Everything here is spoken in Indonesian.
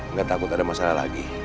nggak takut ada masalah lagi